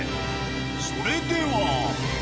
それでは。